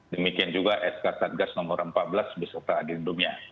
demikian juga skt com